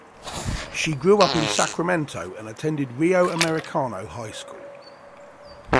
She grew up in Sacramento and attended Rio Americano High School.